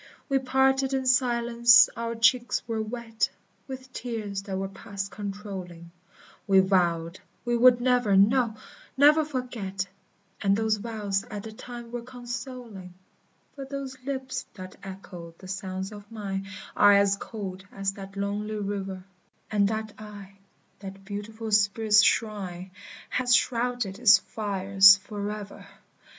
We parted in silence, our cheeks were wet With the tears that were past controlling; We vowed we would never, no, never forget, And those vows at the time were consoling; But those lips that echoed the sounds of mine Are as cold as that lonely river; And that eye, that beautiful spirit's shrine, Has shrouded its fires forever.